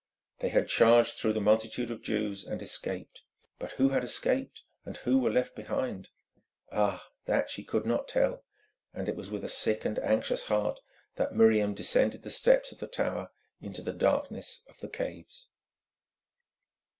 They had charged through the multitude of Jews and escaped. But who had escaped and who were left behind? Ah! that she could not tell; and it was with a sick and anxious heart that Miriam descended the steps of the tower into the darkness of the caves.